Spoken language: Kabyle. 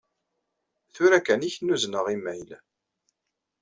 Tura kan i k-n-uzneɣ imayl.